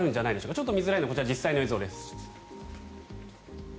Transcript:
ちょっと見づらいのでこちら、実際の映像です。